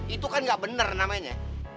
itu kan gak bener namanya